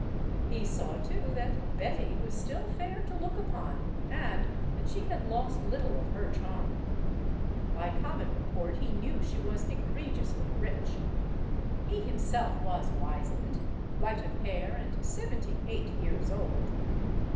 He saw, too, that Betty was still fair to look upon and that she had lost little of her charm. By common report he knew she was egregiously rich. He himself was wizened, white of hair, and seventy eight years old.